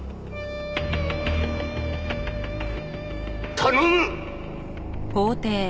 頼む！